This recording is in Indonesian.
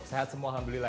sehat semua alhamdulillah